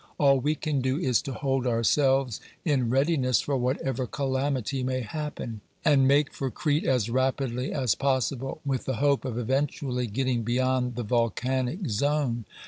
All we can do is to hold ourselves in readiness for whatever calamity may happen, and make for Crete as rapidly as possible, with the hope of eventually getting beyond the volcanic zone.